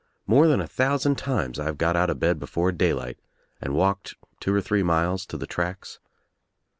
More than a thousand times I've got out of bed before daylight and walked two or three miles to the tracks.